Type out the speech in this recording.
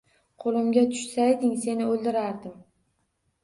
Qo`limga tushsayding, seni o`ldirardim